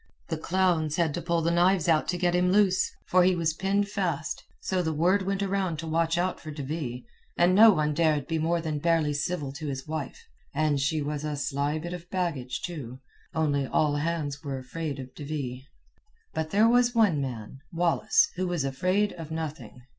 "The clowns had to pull the knives out to get him loose, for he was pinned fast. So the word went around to watch out for De Ville, and no one dared be more than barely civil to his wife. And she was a sly bit of baggage, too, only all hands were afraid of De Ville. "But there was one man, Wallace, who was afraid of nothing.